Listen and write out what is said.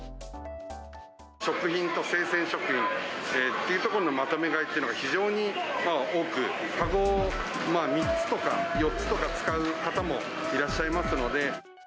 食品と生鮮食品っていうところのまとめ買いっていうのが、非常に多く、籠３つとか４つとか使う方もいらっしゃいますので。